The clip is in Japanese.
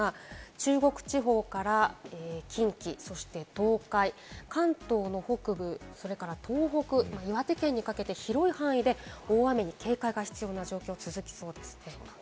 中国地方から近畿、そして東海、関東の北部、それから東北、岩手県にかけて広い範囲で大雨に警戒が必要な状況が続きそうですね。